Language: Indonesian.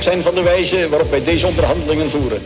pemerintah indonesia mencetak uang orida di daerah daerah indonesia